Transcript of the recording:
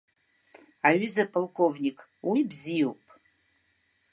Аҩыза аполковник, уи бзиоуп.